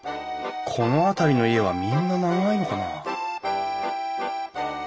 この辺りの家はみんな長いのかな？